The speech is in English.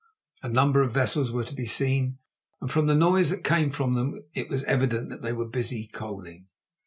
A number of vessels were to be seen, and from the noise that came from them it was evident they were busy coaling.